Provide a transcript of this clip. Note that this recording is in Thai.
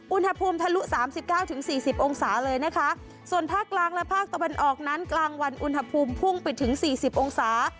อุณหภูมิทะลุสามสิบเก้าถึงสี่สิบองศาเลยนะคะส่วนภาคกลางและภาคตะวันออกนั้นกลางวันอุณหภูมิพุ่งไปถึงสี่สิบองศา